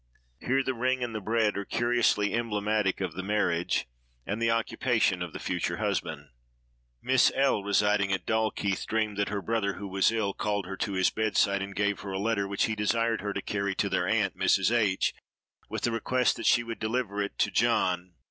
Here the ring and the bread are curiously emblematic of the marriage, and the occupation of the future husband. Miss L——, residing at Dalkeith, dreamed that her brother, who was ill, called her to his bedside and gave her a letter, which he desired her to carry to their aunt, Mrs. H——, with the request that she would "deliver it to John."